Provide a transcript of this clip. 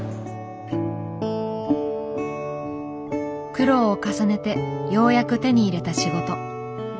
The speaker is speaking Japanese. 苦労を重ねてようやく手に入れた仕事。